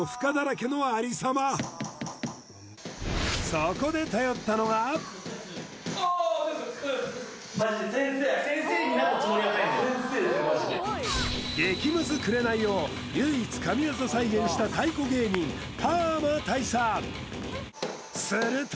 そこで激ムズ「紅」を唯一神業再現した太鼓芸人パーマ大佐すると